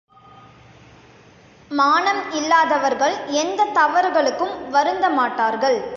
மானம் இல்லாதவர்கள் எந்த தவறுகளுக்கும் வருந்தமாட்டார்கள்.